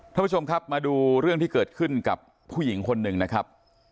ท่านผู้ชมครับมาดูเรื่องที่เกิดขึ้นกับผู้หญิงคนหนึ่งนะครับ